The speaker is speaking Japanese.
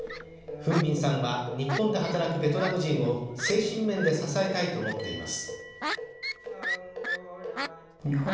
フン・ビンさんは日本で働くベトナム人を精神面で支えたいと思っています。